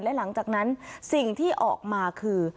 และหลังจากนั้นสิ่งที่ออกมาคือ